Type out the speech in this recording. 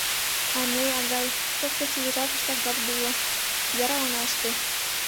А ме, агай, — шоктыш тиде жапыштак Габдулла, — яра она ыште.